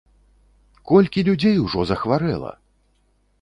Колькі людзей ужо захварэла!